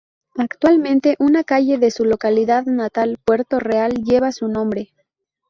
Actualmente, una calle de su localidad natal, Puerto Real, lleva su nombre.